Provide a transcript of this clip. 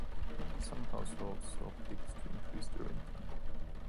Some households sell pigs to increase their income.